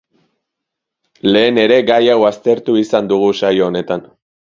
Lehen ere gai hau aztertu izan dugu saio honetan.